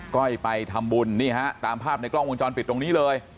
ก้อยไปทำบุญนี่ฮะตามภาพในกล้องวงจรปิดตรงนี้เลย